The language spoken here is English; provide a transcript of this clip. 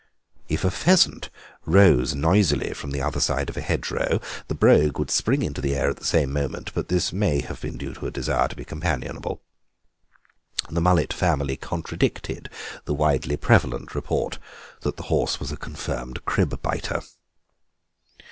If a pheasant rose noisily from the other side of a hedgerow the Brogue would spring into the air at the same moment, but this may have been due to a desire to be companionable. The Mullet family contradicted the widely prevalent report that the horse was a confirmed crib biter.